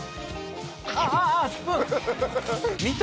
ああっスプーン！